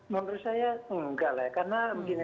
menurut saya enggak lah ya